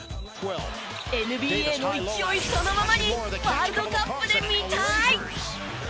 ＮＢＡの勢いそのままにワールドカップで見たい！